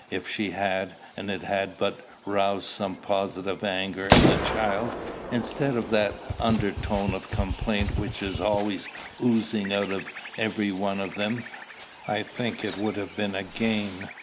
If she had, and it had but roused some positive anger in the child, instead of that undertone of complaint which is always oozing out of every one of them, I think It would have been a gain.